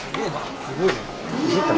すごいね。